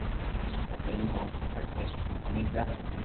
پسي ايم ھووُ کپي ڪي موني جا